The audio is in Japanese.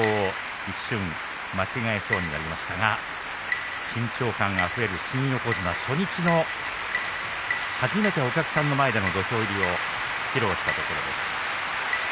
一瞬間違えそうになりましたが緊張感あふれる新横綱初日の初めてお客さんの前での土俵入りを披露したところです。